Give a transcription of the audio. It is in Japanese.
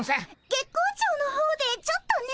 月光町の方でちょっとね。